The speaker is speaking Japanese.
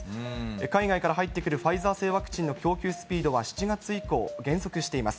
海外から入ってくるファイザー製ワクチンの供給スピードは、７月以降、減速しています。